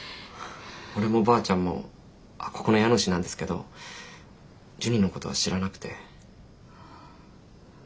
俺もばあちゃんもここの家主なんですけどジュニのことは知らなくて。